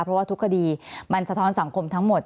เพราะว่าทุกคดีมันสะท้อนสังคมทั้งหมด